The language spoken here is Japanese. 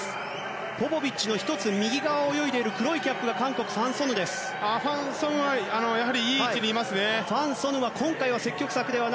ポポビッチの１つ右側を泳いでいる黒いキャップが韓国のファン・ソヌです。